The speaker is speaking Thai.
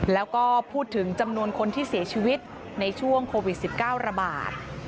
แล้วก็พูดถึงจำนวนคนที่เสียชีวิตในช่วงโควิด๑๙ระบาด